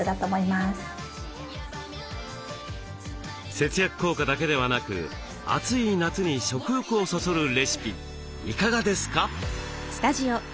節約効果だけではなく暑い夏に食欲をそそるレシピいかがですか？